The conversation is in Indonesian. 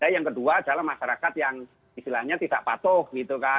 yang kedua adalah masyarakat yang istilahnya tidak patuh gitu kan